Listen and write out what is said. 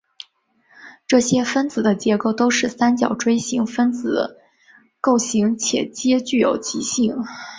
这些分子的结构都是三角锥形分子构型且皆具有极性。